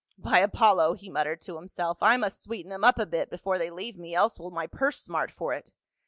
"By Apollo!" he muttered to himself, "I must sweeten them up a bit before they leave me, else will my purse smart for it.